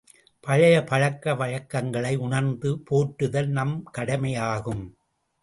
பழைய பழக்க வழக்கங்களை உணர்ந்து போற்றுதல் நம் கடமையாகும்.